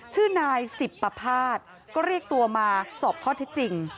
ชื่อนายสิบประภาษณ์ก็เรียกตัวมาสอบข้อที่จริง